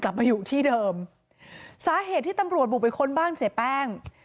กลับมาอยู่ที่เดิมสาเหตุที่ตำรวจบุกไปค้นบ้านเสียแป้ง